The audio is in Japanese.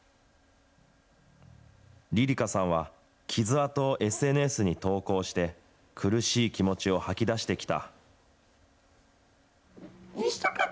梨々花さんは、傷痕をＳＮＳに投稿して、苦しい気持ちを吐き出してきた。